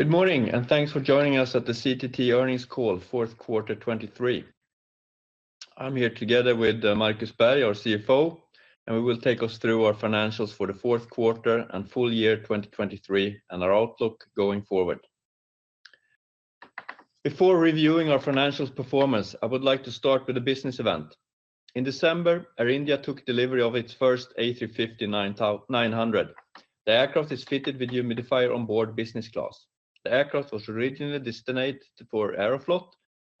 Good morning, and thanks for joining us at the CTT earnings call, fourth quarter 2023. I'm here together with Markus Berg, our CFO, and we will take us through our financials for the fourth quarter and full year 2023, and our outlook going forward. Before reviewing our financial performance, I would like to start with a business event. In December, Air India took delivery of its first A350-900. The aircraft is fitted with Humidifier Onboard business class. The aircraft was originally designated for Aeroflot,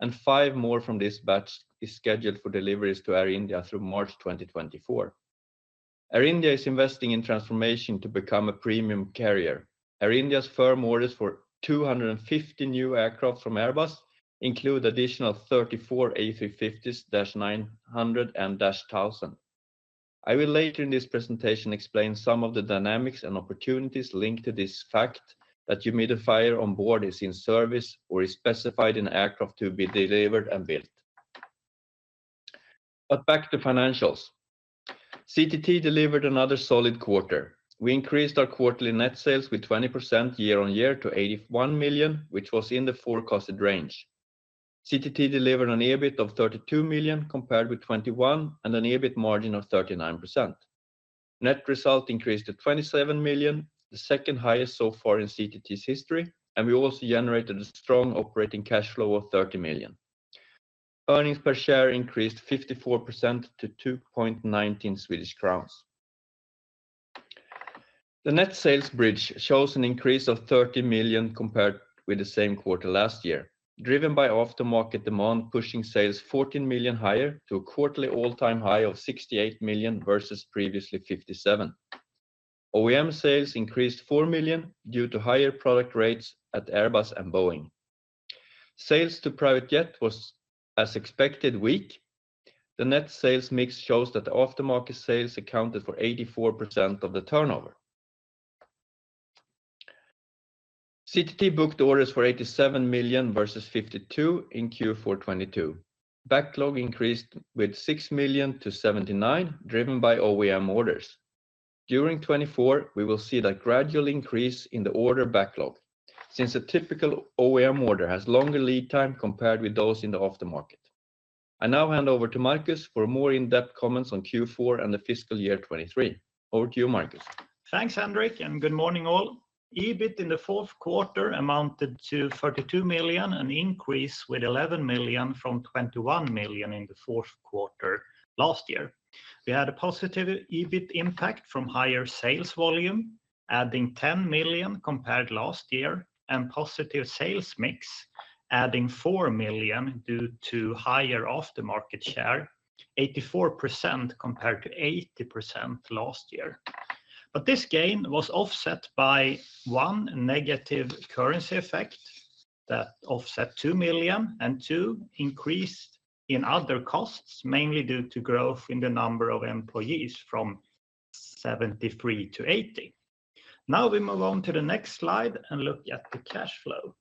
and five more from this batch is scheduled for deliveries to Air India through March 2024. Air India is investing in transformation to become a premium carrier. Air India's firm orders for 250 new aircraft from Airbus include additional 34 A350-900s and A350-1000s. I will later in this presentation explain some of the dynamics and opportunities linked to this fact that Humidifier Onboard is in service or is specified in aircraft to be delivered and built. But back to financials. CTT delivered another solid quarter. We increased our quarterly net sales with 20% year-over-year to 81 million, which was in the forecasted range. CTT delivered an EBIT of 32 million, compared with 21 million, and an EBIT margin of 39%. Net result increased to 27 million, the second highest so far in CTT's history, and we also generated a strong operating cash flow of 30 million. Earnings per share increased 54% to 2.19 Swedish crowns. The net sales bridge shows an increase of 30 million compared with the same quarter last year, driven by aftermarket demand, pushing sales 14 million higher to a quarterly all-time high of 68 million, versus previously 57 million. OEM sales increased 4 million due to higher product rates at Airbus and Boeing. Sales to private jet was, as expected, weak. The net sales mix shows that the aftermarket sales accounted for 84% of the turnover. CTT booked orders for 87 million versus 52 million in Q4 2022. Backlog increased with 6 million to 79 million, driven by OEM orders. During 2024, we will see that gradual increase in the order backlog, since a typical OEM order has longer lead time compared with those in the aftermarket. I now hand over to Markus for more in-depth comments on Q4 and the fiscal year 2023. Over to you, Markus. Thanks, Henrik, and good morning, all. EBIT in the fourth quarter amounted to 32 million, an increase with 11 million from 21 million in the fourth quarter last year. We had a positive EBIT impact from higher sales volume, adding 10 million compared last year, and positive sales mix, adding 4 million due to higher aftermarket share, 84% compared to 80% last year. But this gain was offset by, one, negative currency effect that offset 2 million, and two, increased in other costs, mainly due to growth in the number of employees from 73 to 80. Now we move on to the next slide and look at the cash flow.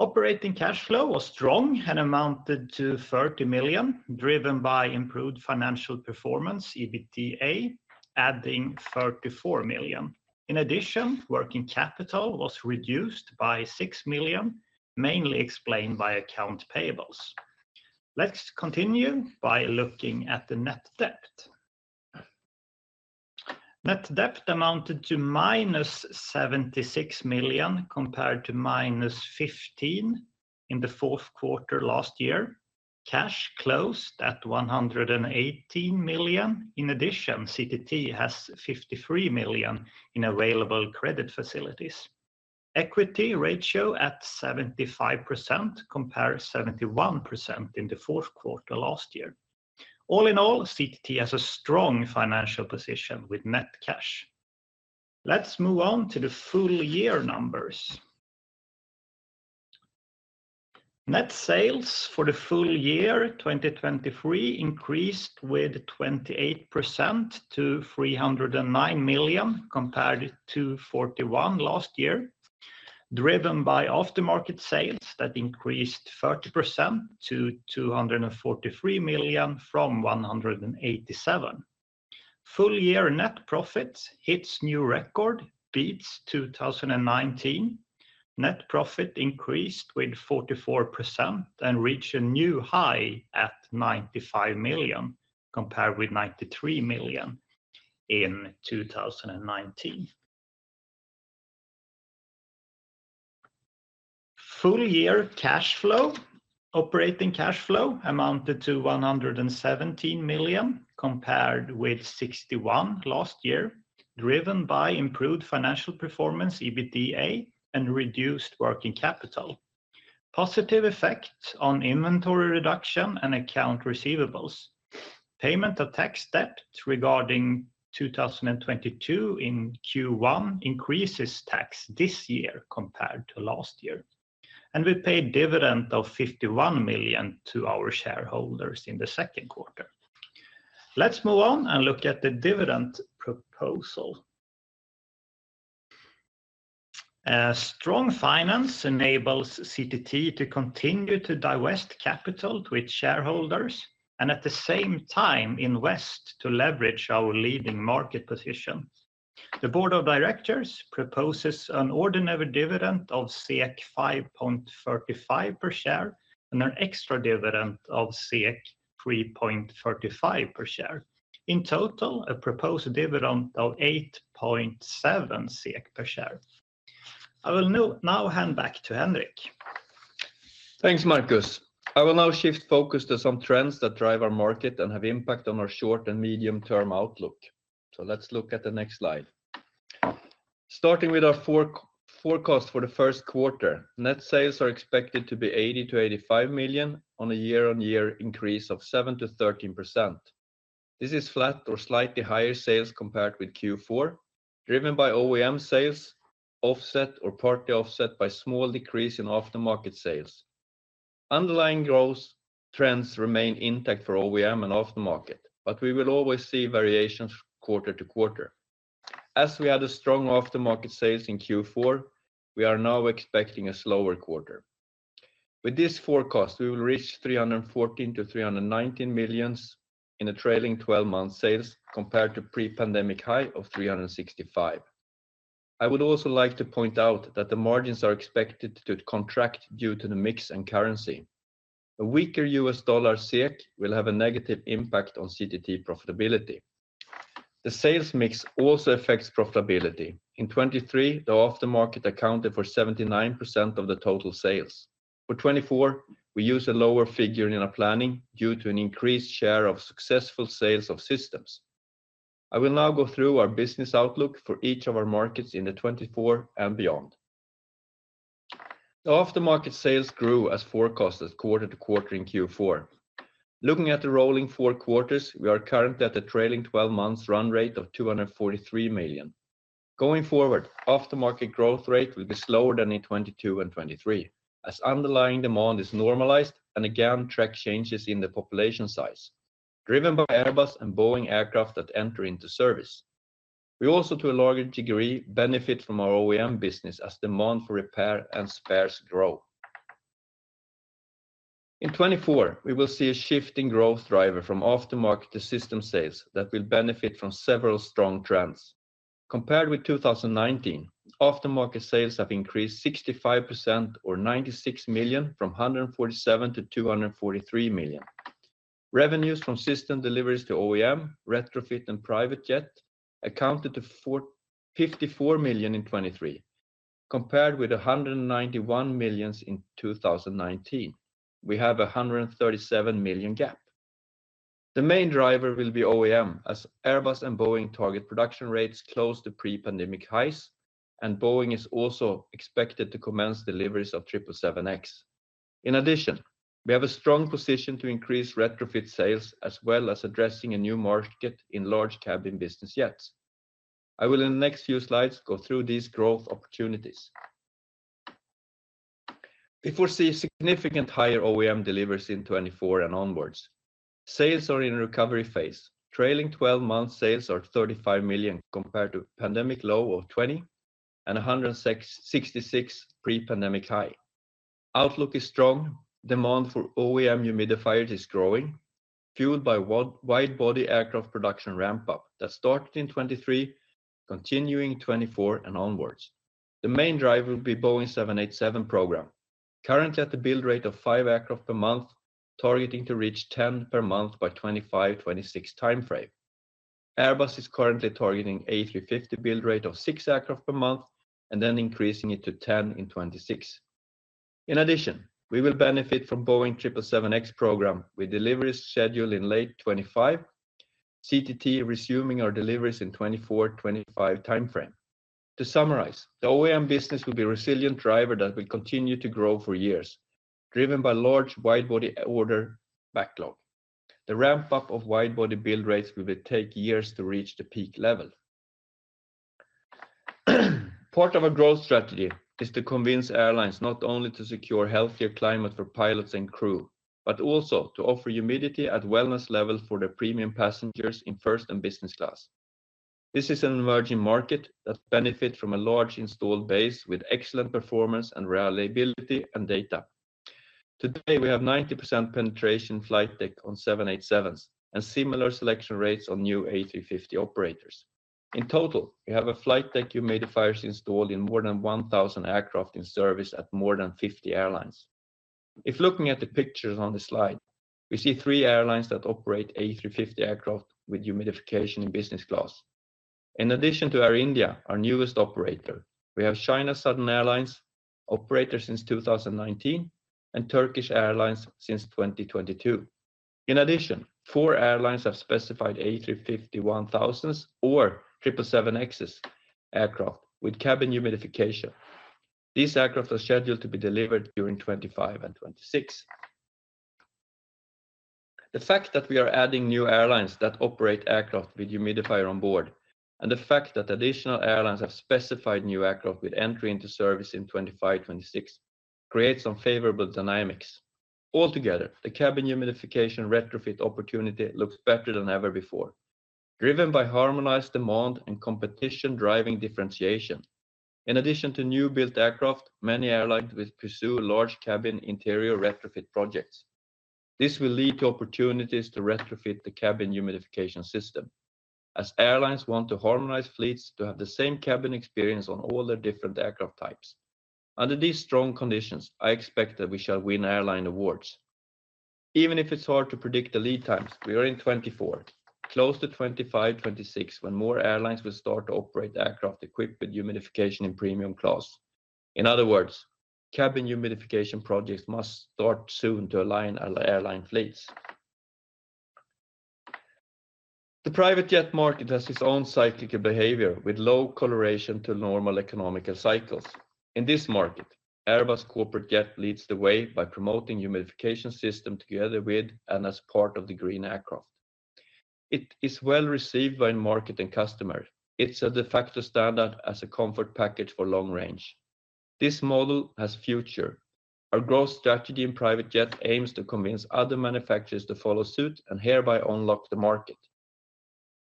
Operating cash flow was strong and amounted to 30 million, driven by improved financial performance, EBITDA, adding 34 million. In addition, working capital was reduced by 6 million, mainly explained by account payables. Let's continue by looking at the net debt. Net debt amounted to -76 million, compared to -15 million in the fourth quarter last year. Cash closed at 118 million. In addition, CTT has 53 million in available credit facilities. Equity ratio at 75%, compared to 71% in the fourth quarter last year. All in all, CTT has a strong financial position with net cash. Let's move on to the full year numbers. Net sales for the full year 2023 increased with 28% to 309 million, compared to 41 million last year, driven by aftermarket sales that increased 30% to 243 million from 187 million. Full year net profits hits new record, beats 2019. Net profit increased with 44% and reached a new high at 95 million, compared with 93 million in 2019. Full year cash flow. Operating cash flow amounted to 117 million, compared with 61 million last year, driven by improved financial performance, EBITDA, and reduced working capital. Positive effects on inventory reduction and accounts receivable. Payment of tax debt regarding 2022 in Q1 increases tax this year compared to last year, and we paid dividend of 51 million to our shareholders in the second quarter. Let's move on and look at the dividend proposal. Ah, strong finance enables CTT to continue to divest capital with shareholders, and at the same time, invest to leverage our leading market position. The board of directors proposes an ordinary dividend of 5.35 per share and an extra dividend of 3.35 per share. In total, a proposed dividend of 8.7 SEK per share. I will now hand back to Henrik. Thanks, Markus. I will now shift focus to some trends that drive our market and have impact on our short and medium-term outlook. So let's look at the next slide. Starting with our forecast for the first quarter, net sales are expected to be 80 million-85 million on a year-on-year increase of 7%-13%. This is flat or slightly higher sales compared with Q4, driven by OEM sales, offset or partly offset by small decrease in aftermarket sales. Underlying growth trends remain intact for OEM and aftermarket, but we will always see variations quarter to quarter. As we had a strong aftermarket sales in Q4, we are now expecting a slower quarter. With this forecast, we will reach 314 million-319 million in a trailing twelve-month sales, compared to pre-pandemic high of 365 million. I would also like to point out that the margins are expected to contract due to the mix and currency. A weaker US dollar SEK will have a negative impact on CTT profitability. The sales mix also affects profitability. In 2023, the aftermarket accounted for 79% of the total sales. For 2024, we use a lower figure in our planning due to an increased share of successful sales of systems. I will now go through our business outlook for each of our markets in the 2024 and beyond. Aftermarket sales grew as forecasted quarter-over-quarter in Q4. Looking at the rolling four quarters, we are currently at a trailing twelve months run rate of 243 million. Going forward, aftermarket growth rate will be slower than in 2022 and 2023, as underlying demand is normalized and again, track changes in the population size, driven by Airbus and Boeing aircraft that enter into service. We also, to a larger degree, benefit from our OEM business as demand for repair and spares grow. In 2024, we will see a shift in growth driver from aftermarket to system sales that will benefit from several strong trends. Compared with 2019, aftermarket sales have increased 65% or 96 million from 147 million to 243 million. Revenues from system deliveries to OEM, retrofit, and private jet accounted to 454 million in 2023, compared with 191 million in 2019. We have a 137 million gap. The main driver will be OEM, as Airbus and Boeing target production rates close to pre-pandemic highs, and Boeing is also expected to commence deliveries of 777X. In addition, we have a strong position to increase retrofit sales, as well as addressing a new market in large cabin business jets. I will in the next few slides, go through these growth opportunities. We foresee significant higher OEM deliveries in 2024 and onwards. Sales are in a recovery phase. Trailing twelve months sales are 35 million, compared to pandemic low of 20 and 166 pre-pandemic high. Outlook is strong. Demand for OEM humidifiers is growing, fueled by wide-body aircraft production ramp up that started in 2023, continuing in 2024 and onwards. The main driver will be Boeing 787 program. Currently, at the build rate of five aircraft per month, targeting to reach 10 per month by 2025, 2026 time frame. Airbus is currently targeting A350 build rate of six aircraft per month, and then increasing it to 10 in 2026. In addition, we will benefit from Boeing 777X program, with deliveries scheduled in late 2025. CTT resuming our deliveries in 2024, 2025 time frame. To summarize, the OEM business will be a resilient driver that will continue to grow for years, driven by large wide-body order backlog. The ramp up of wide-body build rates will take years to reach the peak level. Part of our growth strategy is to convince airlines not only to secure healthier climate for pilots and crew, but also to offer humidity at wellness level for their premium passengers in first and business class. This is an emerging market that benefit from a large installed base with excellent performance and reliability and data. Today, we have 90% penetration flight deck on 787s and similar selection rates on new A350 operators. In total, we have a flight deck humidifiers installed in more than 1,000 aircraft in service at more than 50 airlines. If looking at the pictures on this slide, we see three airlines that operate A350 aircraft with humidification in business class. In addition to Air India, our newest operator, we have China Southern Airlines, operator since 2019, and Turkish Airlines since 2022. In addition, four airlines have specified A350-1000 or 777X aircraft with cabin humidification. These aircraft are scheduled to be delivered during 2025 and 2026. The fact that we are adding new airlines that operate aircraft with Humidifier Onboard, and the fact that additional airlines have specified new aircraft with entry into service in 2025, 2026, creates some favorable dynamics. Altogether, the cabin humidification retrofit opportunity looks better than ever before. Driven by harmonized demand and competition driving differentiation. In addition to new built aircraft, many airlines will pursue large cabin interior retrofit projects. This will lead to opportunities to retrofit the cabin humidification system, as airlines want to harmonize fleets to have the same cabin experience on all their different aircraft types. Under these strong conditions, I expect that we shall win airline awards. Even if it's hard to predict the lead times, we are in 2024, close to 2025, 2026, when more airlines will start to operate aircraft equipped with humidification in premium class. In other words, cabin humidification projects must start soon to align our airline fleets. The private jet market has its own cyclical behavior, with low correlation to normal economic cycles. In this market, Airbus Corporate Jets leads the way by promoting humidification system together with and as part of the green aircraft. It is well received by market and customer. It's a de facto standard as a comfort package for long range. This model has future. Our growth strategy in private jet aims to convince other manufacturers to follow suit and hereby unlock the market.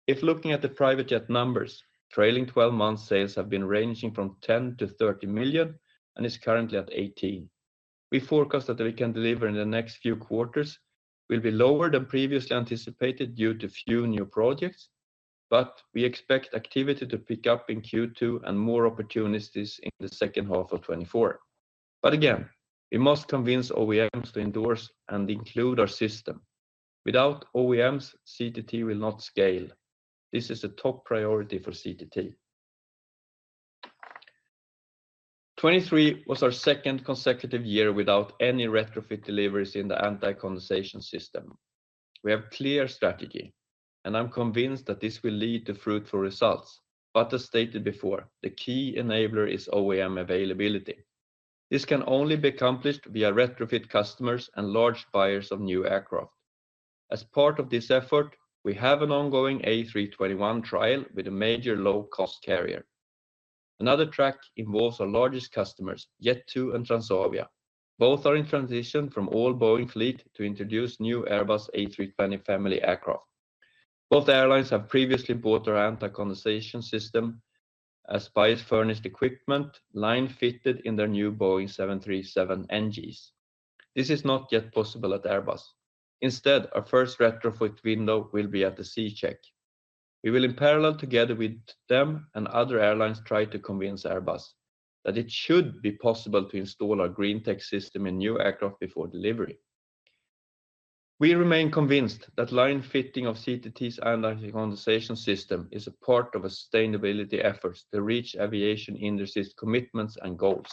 If looking at the private jet numbers, trailing twelve-month sales have been ranging from 10 million to 30 million and is currently at 18 million. We forecast that we can deliver in the next few quarters, will be lower than previously anticipated due to few new projects, but we expect activity to pick up in Q2 and more opportunities in the second half of 2024. But again, we must convince OEMs to endorse and include our system. Without OEMs, CTT will not scale. This is a top priority for CTT. 2023 was our second consecutive year without any retrofit deliveries in the anti-condensation system. We have clear strategy, and I'm convinced that this will lead to fruitful results. But as stated before, the key enabler is OEM availability. This can only be accomplished via retrofit customers and large buyers of new aircraft. As part of this effort, we have an ongoing A321 trial with a major low-cost carrier. Another track involves our largest customers, Jet2 and Transavia. Both are in transition from all Boeing fleet to introduce new Airbus A320 family aircraft. Both airlines have previously bought our anti-condensation system as buyer-furnished equipment, line fitted in their new Boeing 737 NGs. This is not yet possible at Airbus. Instead, our first retrofit window will be at the C-check. We will, in parallel, together with them and other airlines, try to convince Airbus that it should be possible to install our green tech system in new aircraft before delivery. We remain convinced that line fitting of CTT's anti-condensation system is a part of sustainability efforts to reach aviation industry's commitments and goals.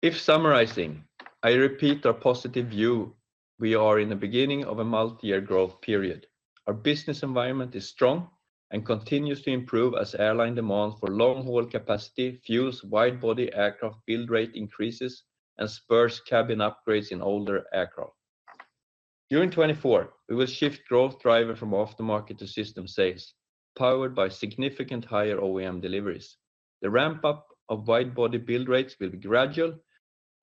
If summarizing, I repeat our positive view. We are in the beginning of a multi-year growth period. Our business environment is strong and continues to improve as airline demand for long-haul capacity fuels wide-body aircraft, build rate increases, and spurs cabin upgrades in older aircraft. During 2024, we will shift growth driver from aftermarket to system sales, powered by significantly higher OEM deliveries. The ramp up of wide-body build rates will be gradual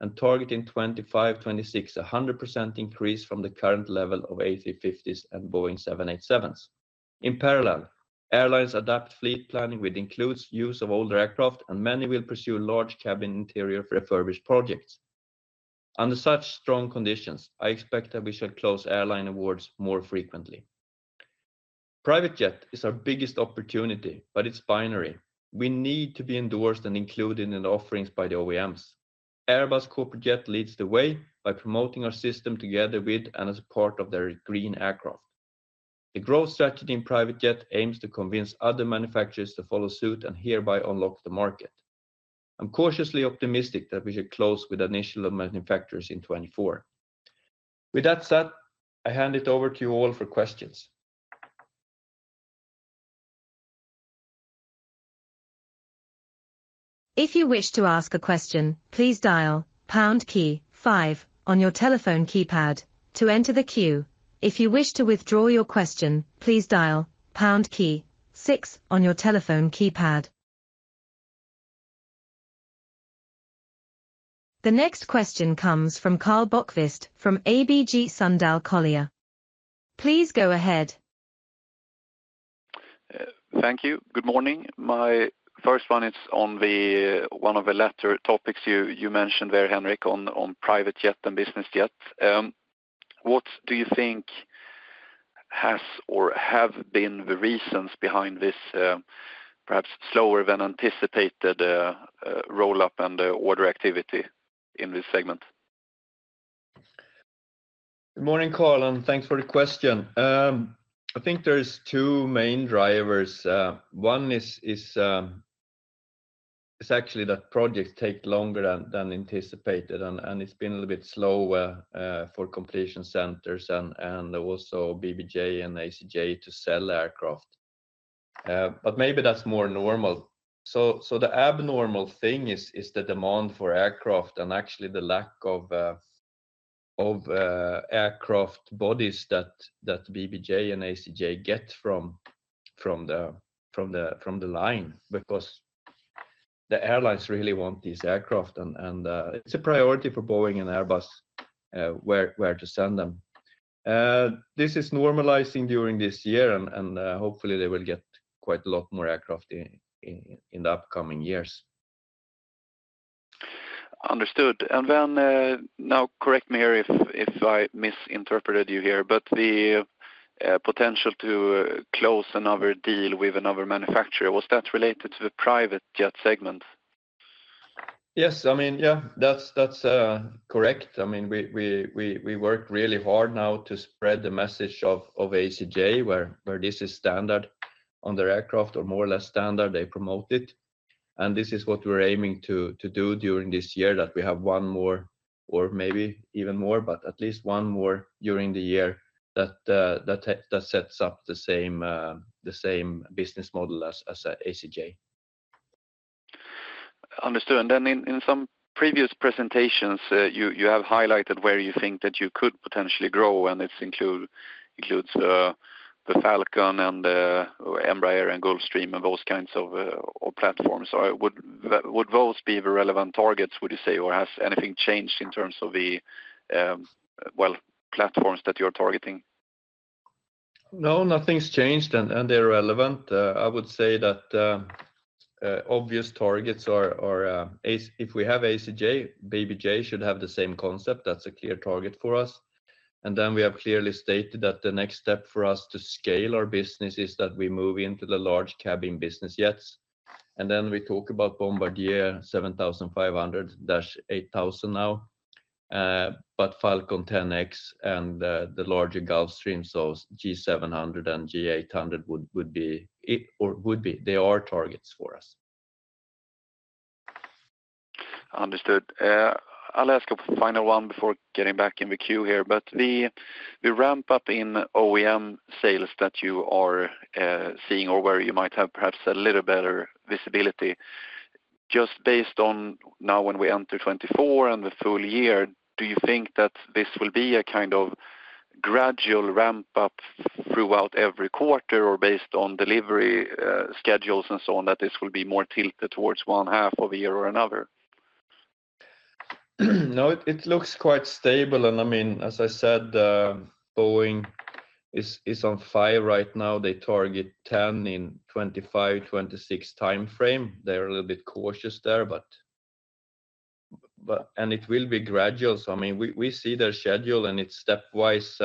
and targeting 25-26, 100% increase from the current level of A350s and Boeing 787s. In parallel, airlines adapt fleet planning, which includes use of older aircraft, and many will pursue large cabin interior refurbished projects. Under such strong conditions, I expect that we shall close airline awards more frequently. Private jet is our biggest opportunity, but it's binary. We need to be endorsed and included in the offerings by the OEMs. Airbus Corporate Jets leads the way by promoting our system together with and as a part of their green aircraft. The growth strategy in private jet aims to convince other manufacturers to follow suit and hereby unlock the market. I'm cautiously optimistic that we should close with initial manufacturers in 2024. With that said, I hand it over to you all for questions. If you wish to ask a question, please dial pound key five on your telephone keypad to enter the queue. If you wish to withdraw your question, please dial pound key six on your telephone keypad. The next question comes from Karl Bokvist from ABG Sundal Collier. Please go ahead. Thank you. Good morning. My first one is on the one of the latter topics you mentioned there, Henrik, on private jet and business jet. What do you think has or have been the reasons behind this perhaps slower than anticipated roll up and order activity in this segment? Good morning, Karl, and thanks for the question. I think there's two main drivers. One is actually that projects take longer than anticipated, and it's been a little bit slower for completion centers and also BBJ and ACJ to sell aircraft. But maybe that's more normal. So the abnormal thing is the demand for aircraft and actually the lack of aircraft bodies that BBJ and ACJ get from the line because the airlines really want these aircraft, and it's a priority for Boeing and Airbus where to send them. This is normalizing during this year, and hopefully they will get quite a lot more aircraft in the upcoming years. Understood. And then, now correct me here if I misinterpreted you here, but the potential to close another deal with another manufacturer, was that related to the private jet segment? Yes. I mean, yeah, that's correct. I mean, we worked really hard now to spread the message of ACJ, where this is standard on their aircraft, or more or less standard. They promote it. And this is what we're aiming to do during this year, that we have one more or maybe even more, but at least one more during the year that sets up the same business model as ACJ. Understood. And then in some previous presentations, you have highlighted where you think that you could potentially grow, and this includes the Falcon and Embraer and Gulfstream, and those kinds of or platforms. So would those be the relevant targets, would you say? Or has anything changed in terms of the platforms that you're targeting? No, nothing's changed, and, and they're relevant. I would say that obvious targets are ACJ. If we have ACJ, BBJ should have the same concept. That's a clear target for us. And then we have clearly stated that the next step for us to scale our business is that we move into the large cabin business jets, and then we talk about Bombardier 7500-8000, but Falcon 10X and the, the larger Gulfstream, so G700 and G800. They are targets for us. Understood. I'll ask a final one before getting back in the queue here. But the ramp-up in OEM sales that you are seeing or where you might have perhaps a little better visibility, just based on now when we enter 2024 and the full year, do you think that this will be a kind of gradual ramp-up throughout every quarter? Or based on delivery schedules and so on, that this will be more tilted towards one half of the year or another? No, it looks quite stable. I mean, as I said, Boeing is on fire right now. They target 10 in 2025, 2026 timeframe. They're a little bit cautious there, but. And it will be gradual. So I mean, we see their schedule, and it's stepwise,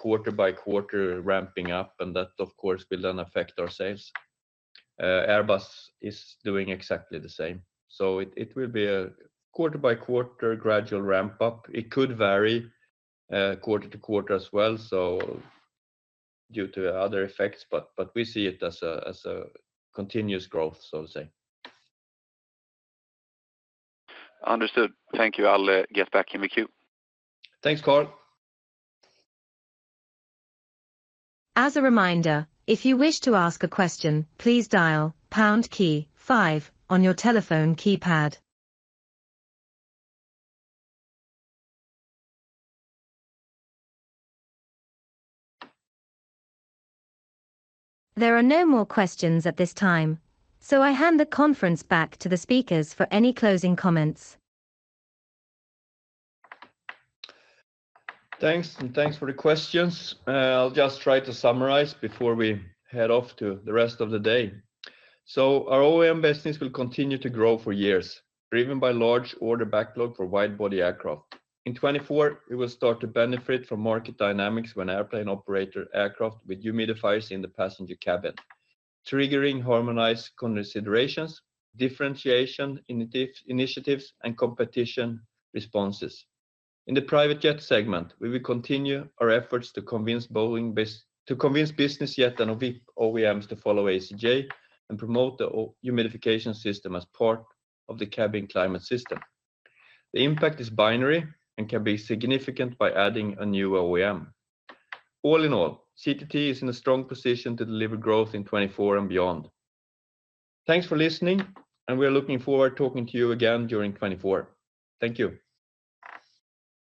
quarter by quarter ramping up, and that, of course, will then affect our sales. Airbus is doing exactly the same, so it will be a quarter by quarter gradual ramp-up. It could vary, quarter to quarter as well, so due to other effects, but we see it as a continuous growth, so to say. Understood. Thank you. I'll get back in the queue. Thanks, Karl. As a reminder, if you wish to ask a question, please dial pound key five on your telephone keypad. There are no more questions at this time, so I hand the conference back to the speakers for any closing comments. Thanks, and thanks for the questions. I'll just try to summarize before we head off to the rest of the day. So our OEM business will continue to grow for years, driven by large order backlog for wide-body aircraft. In 2024, it will start to benefit from market dynamics when airplane operator aircraft with humidifiers in the passenger cabin, triggering harmonized considerations, differentiation initiatives, and competition responses. In the private jet segment, we will continue our efforts to convince business jet and OEMs to follow ACJ and promote the humidification system as part of the cabin climate system. The impact is binary and can be significant by adding a new OEM. All in all, CTT is in a strong position to deliver growth in 2024 and beyond. Thanks for listening, and we are looking forward to talking to you again during 2024. Thank you.